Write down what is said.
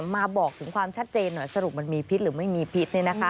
มาบอกถึงความชัดเจนหน่อยสรุปมันมีพิษหรือไม่มีพิษ